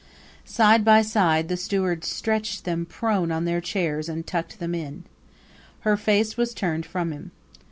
Side by side the stewards stretched them prone on their chairs and tucked them in. Her face was turned from him.